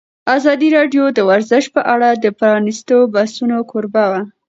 ازادي راډیو د ورزش په اړه د پرانیستو بحثونو کوربه وه.